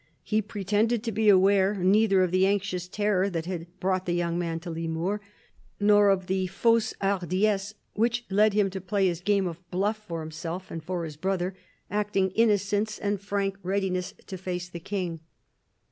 He pretended to be aware neither of the anxious terror that had brought the young man to Limours, nor of the " fausse hardiesse " which led him to play this game of bluff for himself and for his brother, acting innocence and a frank readiness to face the King.